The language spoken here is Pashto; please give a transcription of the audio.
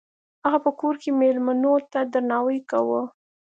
هغه په کور کې میلمنو ته درناوی کاوه.